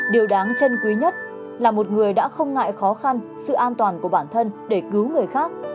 điều đáng chân quý nhất là một người đã không ngại khó khăn sự an toàn của bản thân để cứu người khác